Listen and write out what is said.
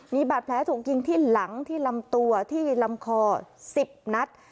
มีบาดแผลถูกยิงที่หลังที่ลำตัวที่ลำคอ๑๐นัด